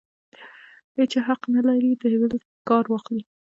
هېچا حق نه لري د بل کار واخلي.